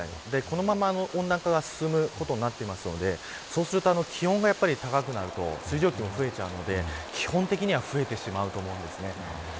このまま温暖化が進むことになっていますのでそうすると、気温が高くなると水蒸気も増えちゃうので基本的には増えてしまうと思うんですね。